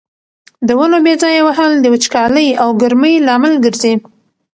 د ونو بې ځایه وهل د وچکالۍ او ګرمۍ لامل ګرځي.